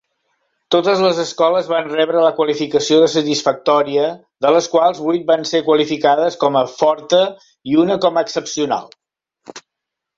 Totes les escoles van rebre la qualificació de "satisfactòria", de les quals vuit van ser qualificades com a "forta" i una com a "excepcional".